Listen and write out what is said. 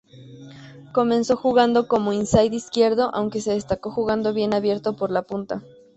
Comenzó jugando como Inside izquierdo, aunque se destacó jugando bien abierto por la punta.